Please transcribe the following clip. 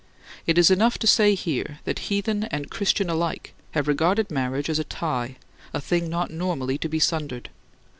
It is enough to say here that heathen and Christian alike have regarded marriage as a tie; a thing not normally to be sundered.